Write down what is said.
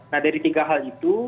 nah dari tiga hal itu